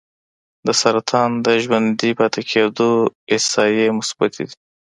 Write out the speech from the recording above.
د سرطان د ژوندي پاتې کېدو احصایې مثبتې دي.